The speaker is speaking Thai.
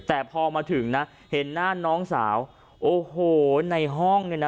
แต่พอมาถึงนะเห็นหน้าน้องสาวโอ้โหในห้องเนี่ยนะ